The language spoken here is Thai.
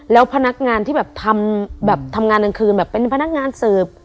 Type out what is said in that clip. แล้วพนักงานที่แบบทำแบบทำงานกลางคืนแบบเป็นพนักงานเสิร์ฟ